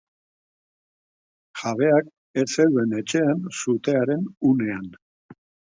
Jabeak ez zeuden etxean sutearen unean.